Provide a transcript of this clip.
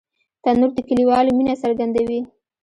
تنور د کلیوالو مینه څرګندوي